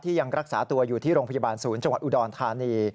ยังรักษาตัวอยู่ที่โรงพยาบาลศูนย์จังหวัดอุดรธานี